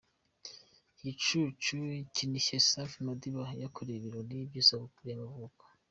Igicuku kinishye Safi Madiba yakorewe ibirori by'isabukuru y'amavuko.